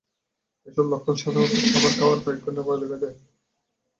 এসব লক্ষণ সাধারণত খাবার খাওয়ার কয়েক ঘন্টা পরে দেখা দেয়।